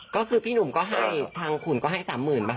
อ๋อก็คือพี่หนุ่มก็ให้ทางขุนก็ให้สามหมื่นป่ะคะ